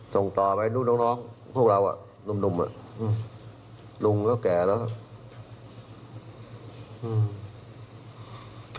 ส่งต่อไปนุ่นน้องพวกเรานุ่มนุ่งก็แก่แล้ว